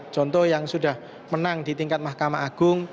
contoh yang sudah menang di tingkat mahkamah agung